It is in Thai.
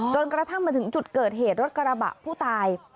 กระทั่งมาถึงจุดเกิดเหตุรถกระบะผู้ตาย